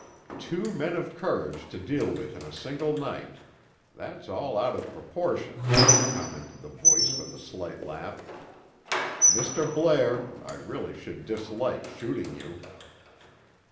"Two men of courage to deal with in a single night. That's all out of proportion," commented the voice with a slight laugh. "Mr. Blair; I really should dislike shooting you."